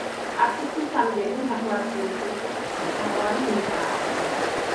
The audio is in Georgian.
აფსიდში სამი გეგმით ნახევარწრიული, შეისრულთაღოვანი ნიშაა.